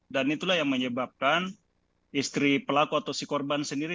itulah yang menyebabkan istri pelaku atau si korban sendiri